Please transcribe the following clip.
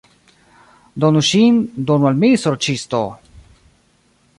Donu ŝin, donu al mi, sorĉisto!